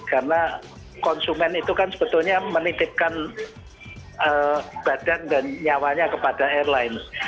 karena konsumen itu kan sebetulnya menitipkan badan dan nyawanya kepada airlines